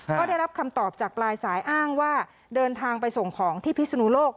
ก็ได้รับคำตอบจากปลายสายอ้างว่าเดินทางไปส่งของที่พิศนุโลก